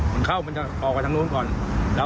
วินาทีชีวิตด้วยเนี่ย